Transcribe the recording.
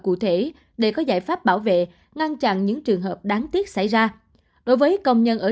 cụ thể để có giải pháp bảo vệ ngăn chặn những trường hợp đáng tiếc xảy ra đối với công nhân ở